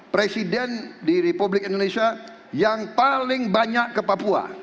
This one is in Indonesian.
presiden di republik indonesia yang paling banyak ke papua